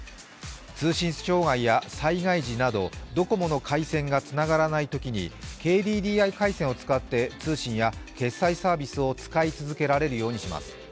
通信障害や災害時などドコモの回線がつながらないときにＫＤＤＩ回線を使って通信や決済サービスを使い続けられるようにします。